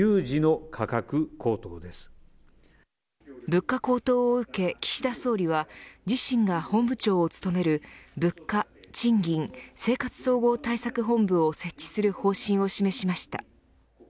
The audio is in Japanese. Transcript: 物価高騰を受け、岸田総理は自身が本部長を務める物価、賃金、生活総合対策本部を設置する方針を示しました。